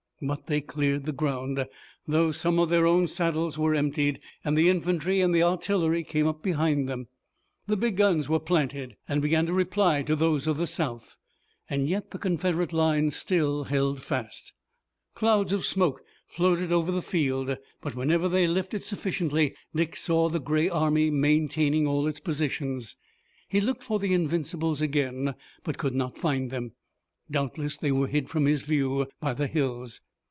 But they cleared the ground, though some of their own saddles were emptied, and the infantry and the artillery came up behind them. The big guns were planted and began to reply to those of the South. Yet the Confederate lines still held fast. Clouds of smoke floated over the field, but whenever they lifted sufficiently Dick saw the gray army maintaining all its positions. He looked for the Invincibles again but could not find them. Doubtless they were hid from his view by the hills.